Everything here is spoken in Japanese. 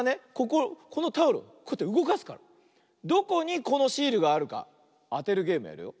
こここのタオルこうやってうごかすからどこにこのシールがあるかあてるゲームやるよ。